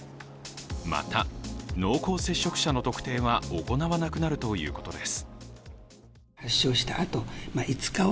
また、濃厚接触者の特定は行わなくなるということです。